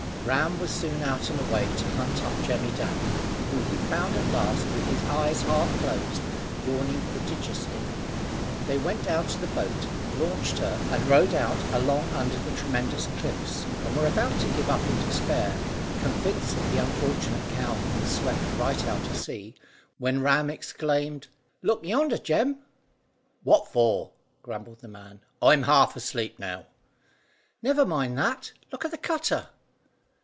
Ram was soon out and away, to hunt up Jemmy Dadd, whom he found at last with his eyes half closed, yawning prodigiously. They went down to the boat, launched her, and rowed out along under the tremendous cliffs, and were about to give up in despair, convinced that the unfortunate cow had been swept right out to sea, when Ram exclaimed "Look yonder, Jem?" "What for?" grumbled the man; "I'm half asleep, now." "Never mind that! Look at the cutter."